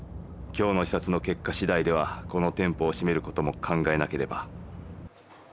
今日の視察の結果しだいではこの店舗を閉めることも考えなければ。